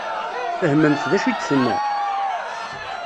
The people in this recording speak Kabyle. Tfehmemt d acu i d-tenna?